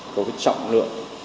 có cái trọng lượng